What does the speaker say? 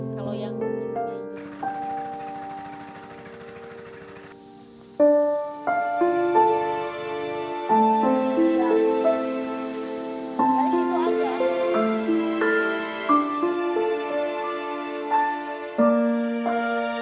semoga berjaya mak